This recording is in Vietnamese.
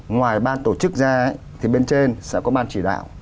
ngoài ban tổ chức ra thì bên trên sẽ có ban chỉ đạo